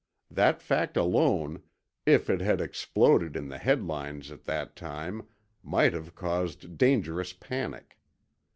That fact alone, if it had exploded in the headlines at that time, might have caused dangerous panic.